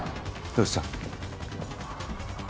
どうした！？